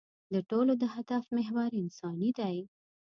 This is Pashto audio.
د ټولو د هدف محور انساني دی.